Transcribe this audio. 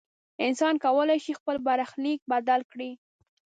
انسان کولی شي خپل برخلیک بدل کړي.